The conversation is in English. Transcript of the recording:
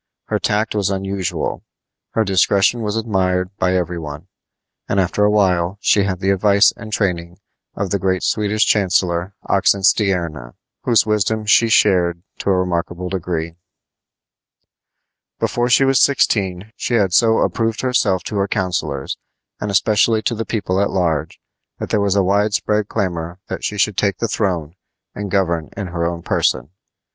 Her tact was unusual. Her discretion was admired by every one; and after a while she had the advice and training of the great Swedish chancellor, Oxenstierna, whose wisdom she shared to a remarkable degree. Before she was sixteen she had so approved herself to her counselors, and especially to the people at large, that there was a wide spread clamor that she should take the throne and govern in her own person.